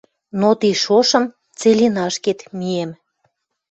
Но ти шошым целинашкет миэм —